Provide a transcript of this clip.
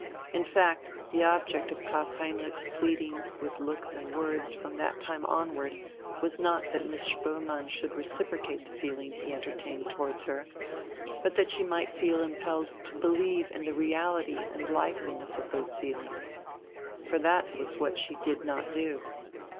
In fact the object of Klaus Heinrich's pleadings with looks and words from that time onward was not that Miss Spoelmann should reciprocate the feelings he entertained towards her, but that she might feel impelled to believe in the reality and liveliness of those feelings. For that was what she did not do.